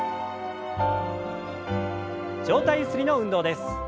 上体ゆすりの運動です。